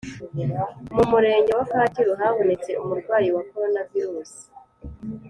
Mu murenge wa kacyiru habonetse umurwayi wa corona virusi